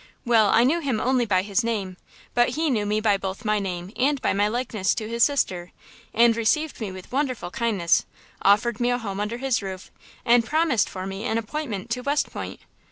Well, I knew him only by his name; but he knew me both by my name and by my likeness to his sister, and received me with wonderful kindness, offered me a home under his roof, and promised for me an appointment to West Point.